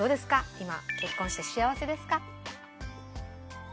今結婚して幸せですか？